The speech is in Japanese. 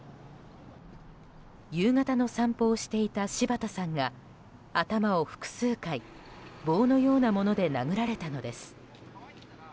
夕方の散歩をしていた柴田さんが頭を複数回、棒のようなもので殴られたのです。